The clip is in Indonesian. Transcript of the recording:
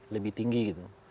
lebih tinggi gitu